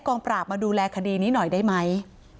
กองปราบมาดูแลคดีนี้หน่อยได้ไหม